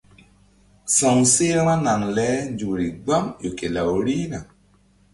Sa̧wseh vba naŋ le nzukri gbam ƴo ke law rihna.